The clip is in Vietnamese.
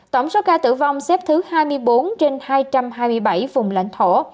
tổng số ca tử vong xếp thứ hai mươi bốn trên hai trăm hai mươi bảy vùng lãnh thổ